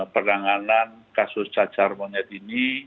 penanganan kasus cacar monyet ini